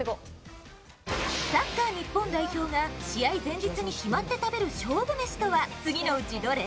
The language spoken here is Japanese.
サッカー日本代表が試合前日に決まって食べる勝負メシとは次のうちどれ？